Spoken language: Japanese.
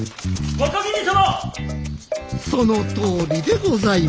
・若君様！